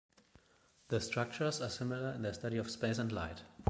The structures are similar in their study of space and light.